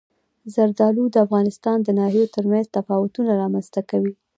زردالو د افغانستان د ناحیو ترمنځ تفاوتونه رامنځ ته کوي.